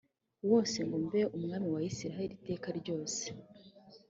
wose ngo mbe umwami wa isirayeli iteka ryose